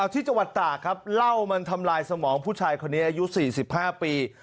ที่จังหวัดตากครับเหล้ามันทำลายสมองผู้ชายคนนี้อายุ๔๕ปี